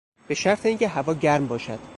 به شرط این که هوا گرم باشد